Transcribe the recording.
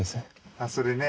あっそれね。